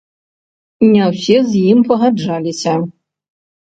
Не ўсе з ім пагаджаліся.